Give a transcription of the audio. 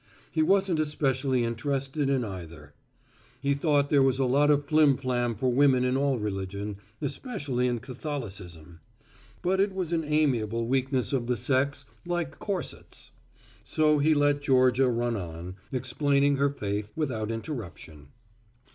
He wasn't especially interested in either. He thought there was a lot of flim flam for women in all religion, especially in Catholicism. But it was an amiable weakness of the sex, like corsets. So he let Georgia run on, explaining her faith, without interruption.